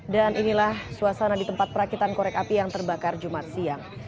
dan inilah suasana di tempat perakitan korek api yang terbakar jumat siang